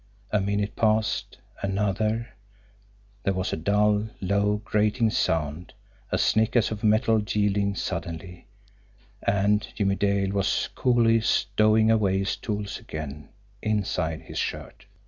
A minute passed another there was a dull, low, grating sound, a snick as of metal yielding suddenly and Jimmie Dale was coolly stowing away his tools again inside his shirt.